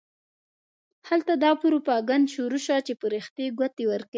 هلته دا پروپاګند شروع شو چې فرښتې ګوتې ورکوي.